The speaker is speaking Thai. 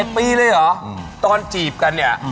โอ้เคลมเลยเคลมเลย